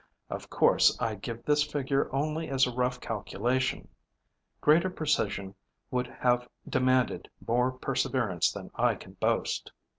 Of course, I give this figure only as a rough calculation; greater precision would have demanded more perseverance than I can boast.